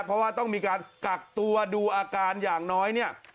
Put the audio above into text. เพราะว่าต้องมีการกักตัวดูอาการอย่างน้อยเนี่ย